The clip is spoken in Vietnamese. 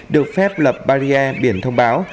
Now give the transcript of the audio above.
được phép lập barrier biển thông báo